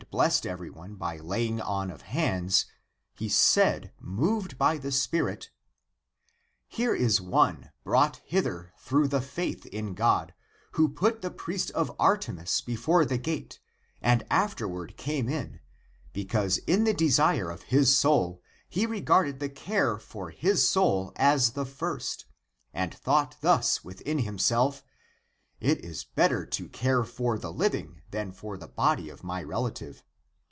ACTS OF JOHN 153 blessed everyone by laying on of hands, he said, moved by the Spirit, " Here is one, brought hither through the faith in God, who put the priest of Ar temis before the gate and afterward came in, be cause in the desire of his soul he regarded the care for his soul as the first, and thought thus within himself: It is better to care for the living than for the body of my relative.